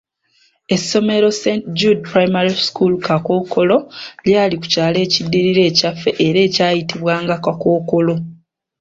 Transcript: Essomero Saint Jude Primary School Kakookolo lyali ku kyalo ekiddirira ekyaffe era ekyayitibwanga Kakookolo.